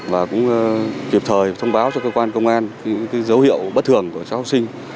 và cũng kịp thời thông báo cho cơ quan công an những dấu hiệu bất thường của cháu học sinh